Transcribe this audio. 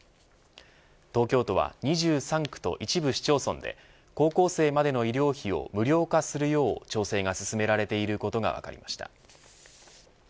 東京都は、２３区と一部市町村で高校生までの医療費を無料化するよう調整が進められていることが分かりました。